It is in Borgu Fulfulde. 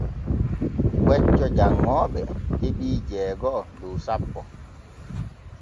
Wecco janŋooɓe heɓii jeego’o dow sappo.